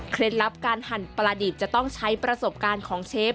ลับการหั่นปลาดิบจะต้องใช้ประสบการณ์ของเชฟ